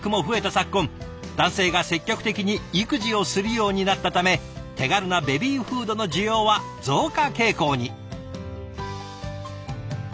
昨今男性が積極的に育児をするようになったため手軽なベビーフードの需要は増加傾向に。